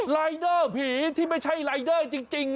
รายเดอร์ผีที่ไม่ใช่รายเดอร์จริง